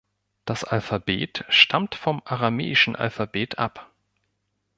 Das Alphabet stammt vom aramäischen Alphabet ab.